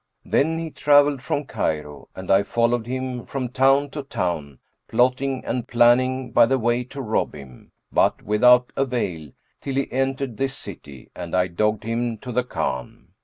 Then he travelled from Cairo and I followed him from town to town, plotting and planning by the way to rob him, but without avail, till he entered this city and I dogged him to the khan.